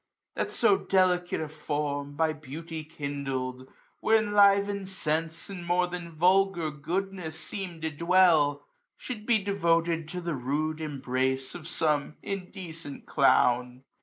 that so delicate a form, " By beauty kindled, where enlivening sense " And more than vulgar goodness seem to dwell, ^* Shoul4 be devoted to the rude embrace 240 " Of some indecent clown.